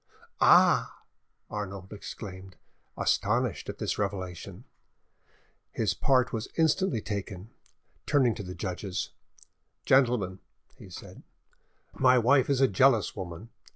"Ah!" Arnauld exclaimed, astonished at this revelation. His part was instantly taken. Turning to the judges— "Gentlemen," he said, "my wife is a jealous woman!